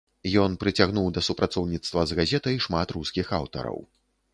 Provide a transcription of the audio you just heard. Ён прыцягнуў да супрацоўніцтва з газетай шмат рускіх аўтараў.